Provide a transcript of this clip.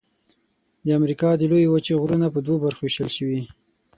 د امریکا د لویې وچې غرونه په دوو برخو ویشل شوي.